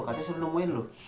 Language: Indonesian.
katanya suruh nungguin lo